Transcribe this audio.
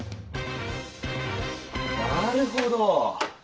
なるほど！